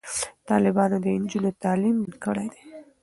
طالبانو د نجونو تعلیم بند کړی دی.